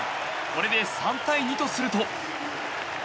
これで３対２とすると。